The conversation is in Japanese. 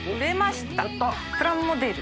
プラモデル。